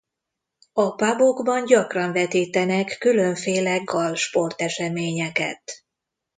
A pubokban gyakran vetítenek különféle gall sporteseményeket.